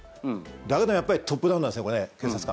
だけどトップダウンなんですよね警察官。